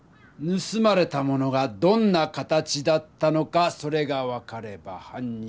ぬすまれたものがどんな形だったのかそれが分かればはん